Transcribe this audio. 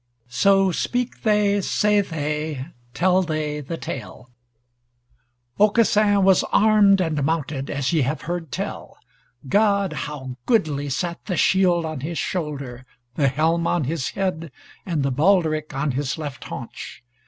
So speak they, say they, tell they the Tale: Aucassin was armed and mounted as ye have heard tell. God! how goodly sat the shield on his shoulder, the helm on his head, and the baldric on his left haunch!